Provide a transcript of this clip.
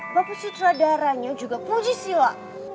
bapak sutradaranya juga puji siwa